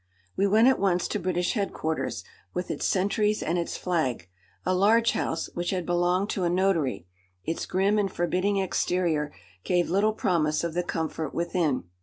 We went at once to British Headquarters, with its sentries and its flag; a large house, which had belonged to a notary, its grim and forbidding exterior gave little promise of the comfort within.